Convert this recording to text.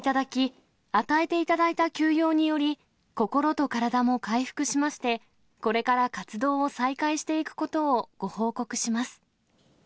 皆様に支えていただき、与えていただいた休養により、心と体も回復しまして、これから活動を再開していくことをご報告します。